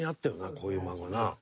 こういう漫画な」